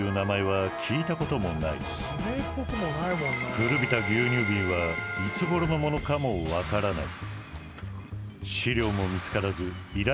古びた牛乳瓶はいつごろの物かも分からない。